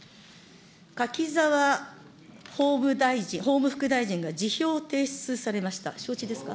柿沢法務大臣、法務副大臣が辞表を提出されました。